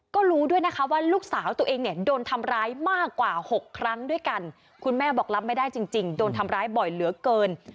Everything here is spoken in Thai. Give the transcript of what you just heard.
ก็รู้ด้วยนะคะว่าลูกสาวตัวเองเนี่ยโดนทำร้ายมากกว่า๖ครั้งด้วยกันคุณแม่บอกรับไม่ได้จริงโดนทำร้ายบ่อยเหลือเกิน